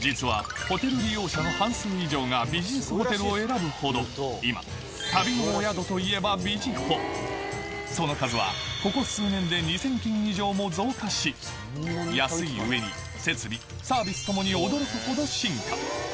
実はホテル利用者の半数以上がビジネスホテルを選ぶほど今その数はここ数年で２０００軒以上も増加し安い上に設備サービス共に驚くほど進化